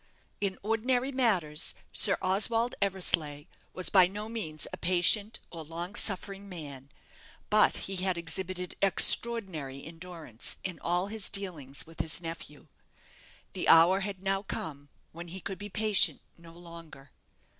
In ordinary matters, Sir Oswald Eversleigh was by no means a patient or long suffering man; but he had exhibited extraordinary endurance in all his dealings with his nephew. The hour had now come when he could be patient no longer.